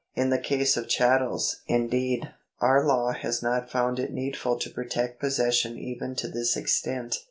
In the case of chattels, indeed, our law has not found it needful to protect possession even to this extent.